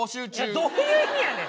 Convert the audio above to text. どういう意味やねん！